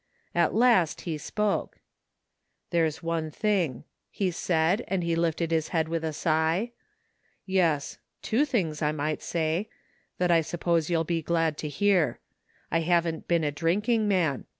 At last he spoke. " There^s one thing," he said, and he lifted his head with a sigh. " Yes — ^two things, I might say — that I suppose you'll be glad to hear. I haven't been a drink ing man!